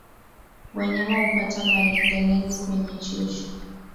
Wanyama hupata malengelenge kwenye chuchu